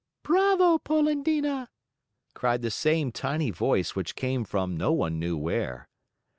"Bravo, Polendina!" cried the same tiny voice which came from no one knew where.